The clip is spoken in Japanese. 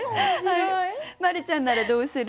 真里ちゃんならどうする？